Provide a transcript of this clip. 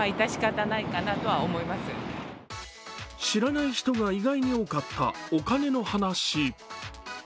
知らない人が意外に多かったお金の話。